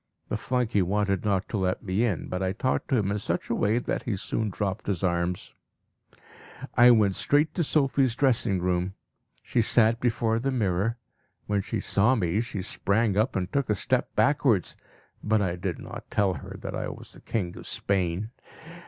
The flunkey wanted not to let me in, but I talked to him in such a way that he soon dropped his arms. I went straight to Sophie's dressing room. She sat before the mirror. When she saw me, she sprang up and took a step backwards; but I did not tell her that I was the king of Spain.